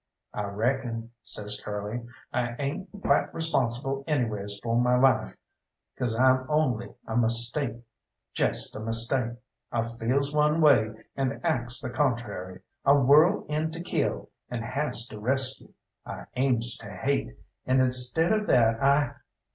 "I reckon," says Curly, "I ain't quite responsible anyways for my life 'cause I'm only a mistake jest a mistake. I feels one way, and acts the contrary; I whirl in to kill, and has to rescue; I aims to hate and instead of that I " "What?"